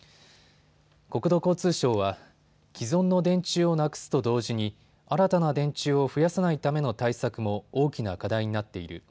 国土交通省は既存の電柱をなくすと同時に新たな電柱を増やさないための対策も大きな課題になっている。